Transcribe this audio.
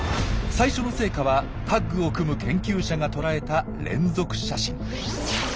最初の成果はタッグを組む研究者がとらえた連続写真。